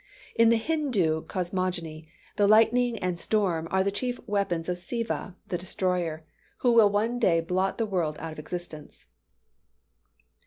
In the Hindoo cosmogony, the lightning and storm are the chief weapons of Siva, the destroyer, who will one day blot the world out of existence.